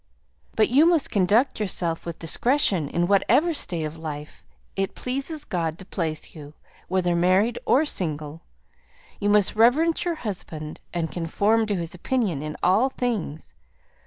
But you must conduct yourself with discretion in whatever state of life it pleases God to place you, whether married or single. You must reverence your husband, and conform to his opinion in all things.